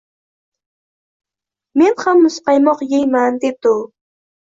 – Men ham muzqaymoq yeyman, – debdi u